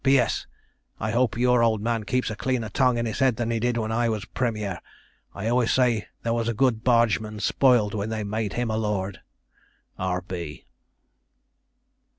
'P.S. I hope your old man keeps a cleaner tongue in his head than he did when I was premier. I always say there was a good bargeman spoiled when they made him a lord. 'R.B.'